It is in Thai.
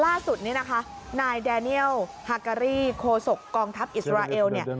ล่าสุดนี้นะคะนายแดเนียลฮาการีโคศกกองทัพอิสราเอลเนี่ย